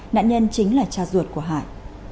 nạn nhân chính là cha ruột của hải